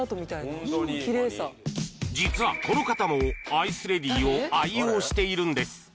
実はこの方もアイスレディを愛用しているんです